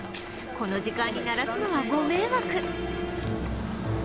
この時間に鳴らすのはご迷惑